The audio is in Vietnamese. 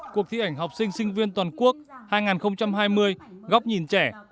cuộc thi ảnh học sinh sinh viên toàn quốc hai nghìn hai mươi góc nhìn trẻ